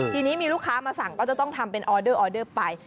ทีนี้มีลูกค้ามาสั่งก็จะต้องทำเป็นออเดอร์ออเดอร์ไป